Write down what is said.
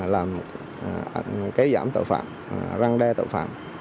làm kế giảm tội phạm răng đe tội phạm